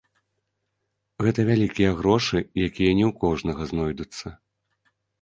Гэта вялікія грошы, якія не ў кожнага знойдуцца.